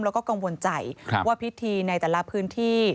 แล้วก็กังวลใจว่าพิธีในแต่ละพื้นที่